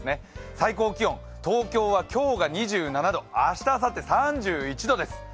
最高気温、東京は今日が２７度、明日、あさって３１度です。